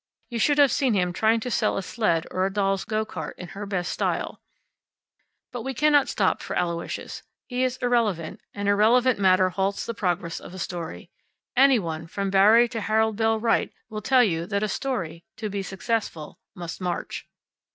You should have seen him trying to sell a sled or a doll's go cart in her best style. But we cannot stop for Aloysius. He is irrelevant, and irrelevant matter halts the progress of a story. Any one, from Barrie to Harold Bell Wright, will tell you that a story, to be successful, must march.